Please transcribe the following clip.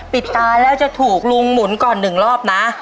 ปิดตาแล้วจะถูกลุงหมุนก่อน๑รอบนะ